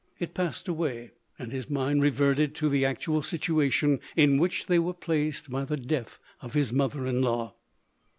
It passed away, and his mind reverted to the actual situation in which they were placed by the death of his mother in law.